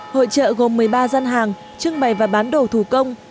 hội trợ gồm một mươi ba gian hàng trưng bày và bán đồ thủ công